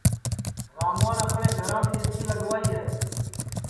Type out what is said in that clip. راموان اپٹؔے گھرام اے سی لگوائی ہے